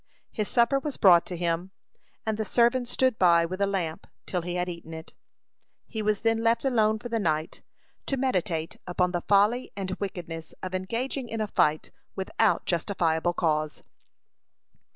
His supper was brought to him, and the servant stood by with a lamp till he had eaten it. He was then left alone for the night, to meditate upon the folly and wickedness of engaging in a fight without justifiable cause.